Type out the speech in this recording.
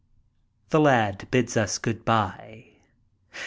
The lad bids us good by.